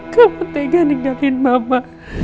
kau pentingnya ninggalin mama